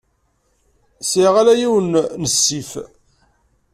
Sɛiɣ ala yiwen n ssif.